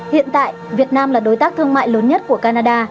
hiện tại việt nam là đối tác thương mại lớn nhất của canada